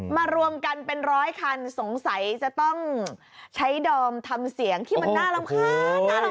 รวมกันเป็นร้อยคันสงสัยจะต้องใช้ดอมทำเสียงที่มันน่ารำคาญ